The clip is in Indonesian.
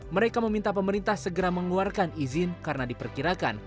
mereka meminta pemerintah segera mengeluarkan izin karena diperkirakan